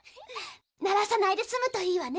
鳴らさないで済むといいわね。